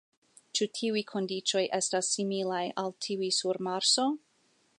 Ĉi tiuj kondiĉoj estas similaj al tiuj sur Marso.